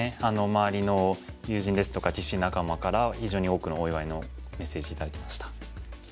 周りの友人ですとか棋士仲間から非常に多くのお祝いのメッセージ頂きました。